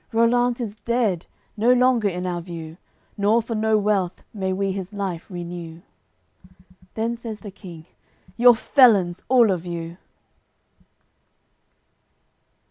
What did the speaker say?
Rollant is dead, no longer in our view, Nor for no wealth may we his life renew." Then says the King: "You're felons all of you!"